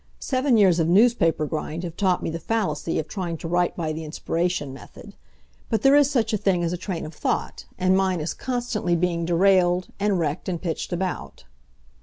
Seven years of newspaper grind have taught me the fallacy of trying to write by the inspiration method. But there is such a thing as a train of thought, and mine is constantly being derailed, and wrecked and pitched about.